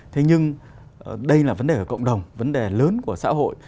thế nhưng đây là vấn đề của cộng đồng vấn đề lớn của xã hội